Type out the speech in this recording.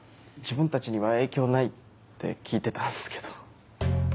自分たちには影響ないって聞いてたんすけど。